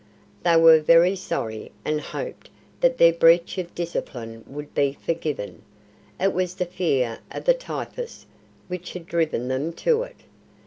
"They were very sorry, and hoped that their breach of discipline would be forgiven. It was the fear of the typhus which had driven them to it.